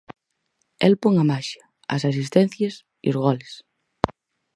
El pon a maxia, as asistencias e os goles.